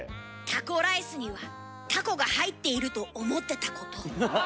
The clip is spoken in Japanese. タコライスにはタコが入っていると思ってたこと。